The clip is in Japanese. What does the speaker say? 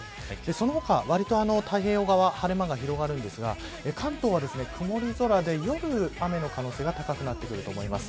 その他、わりと太平洋側晴れ間が広がるんですが関東は曇り空で夜、雨の可能性が高くなってると思います。